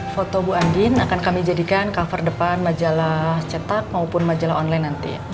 foto bu andin akan kami jadikan cover depan majalah cetak maupun majalah online nanti